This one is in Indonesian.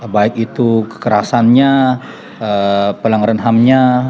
baik itu kekerasannya pelanggaran ham nya